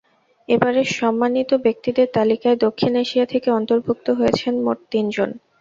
এবারের সম্মানিত ব্যক্তিদের তালিকায় দক্ষিণ এশিয়া থেকে অন্তর্ভুক্ত হয়েছেন মোট তিনজন।